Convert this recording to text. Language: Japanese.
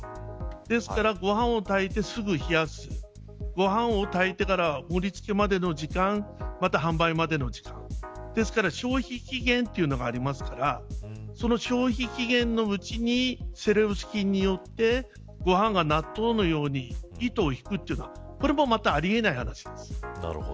ですからご飯を炊いてすぐ冷やすご飯を炊いてから盛り付けまでの時間また、販売までの時間ですから消費期限というのがありますからその消費期限のうちにセレウス菌によってご飯が納豆のように糸を引くというのはこれも、またありえない話です。